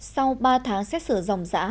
sau ba tháng xét xử dòng giã